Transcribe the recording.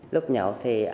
lúc nhậu thì